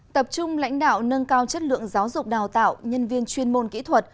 tập trung lãnh đạo nâng cao chất lượng giáo dục đào tạo nhân viên chuyên môn kỹ thuật